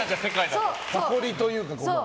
誇りというかね。